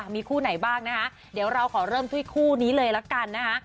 มีคู่ไหนบ้างนะคะเดี๋ยวเราขอเริ่มที่คู่นี้เลยละกันนะคะ